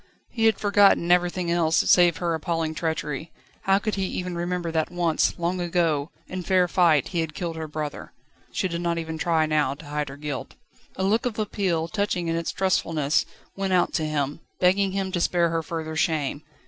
He had forgotten everything else save her appalling treachery; how could he even remember that once, long ago, in fair fight, he had killed her brother? She did not even try now to hide her guilt. A look of appeal, touching in its trustfulness, went out to him, begging him to spare her further shame.